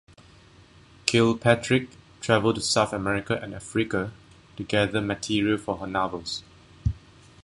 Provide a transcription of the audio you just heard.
Kilpatrick travelled to South America and Africa to gather material for her novels.